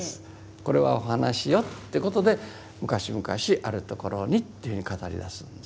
これはお話よってことで「むかしむかしあるところに」っていうふうに語り出すんです。